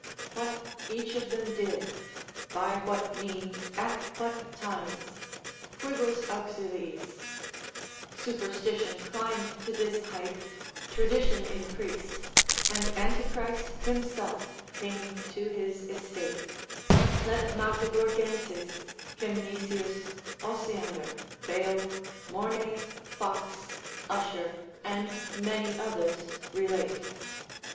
What each of them did, by what means, at what times, quibus auxiliis, superstition climbed to this height, tradition increased, and Antichrist himself came to his estate, let Magdeburgenses, Kemnisius, Osiander, Bale, Mornay, Fox, Usher, and many others relate.